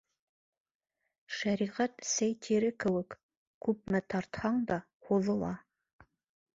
Шәриғәт сей тире кеүек: күпме тартһаң да һуҙыла.